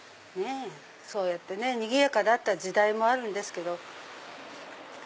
そうやってにぎやかだった時代もあるんですけど。